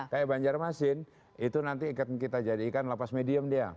kayak banjarmasin itu nanti kita jadikan lapas medium dia